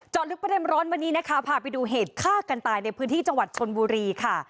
ลึกประเด็นร้อนวันนี้นะคะพาไปดูเหตุฆ่ากันตายในพื้นที่จังหวัดชนบุรีค่ะ